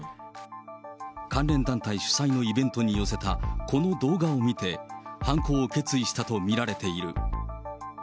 関連団体主催のイベントに寄せたこの動画を見て、犯行を決意したと見られている。